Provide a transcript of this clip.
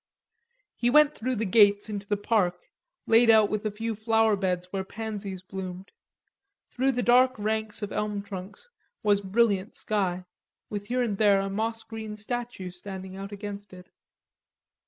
He went through the gates into the park, laid out with a few flower beds where pansies bloomed; through the dark ranks of elm trunks, was brilliant sky, with here and there a moss green statue standing out against it.